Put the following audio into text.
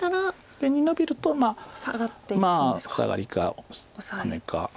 上にノビるとまあサガリかハネか。